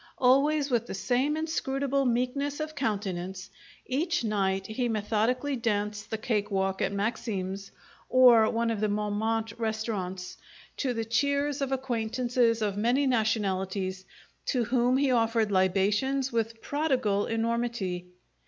Always with the same inscrutable meekness of countenance, each night he methodically danced the cake walk at Maxim's or one of the Montemarte restaurants, to the cheers of acquaintances of many nationalities, to whom he offered libations with prodigal enormity.